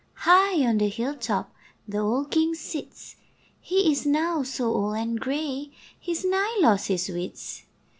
High on the hill top The old King sits; He is now so old and gray He's nigh lost his wits.